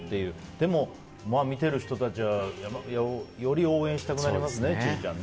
でも見てる人たちはより応援したくなりますね。